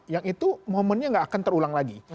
yang itu momennya gak akan terulang lagi